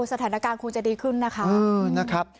สถานการณ์คงจะดีขึ้นนะคะ